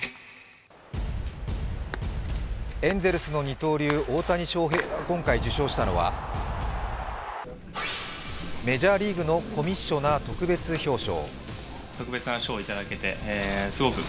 エンゼルスの二刀流・大谷翔平が今回受賞したのはメジャーリーグのコミッショナー特別表彰。